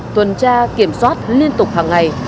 tuần tra kiểm soát liên tục hàng ngày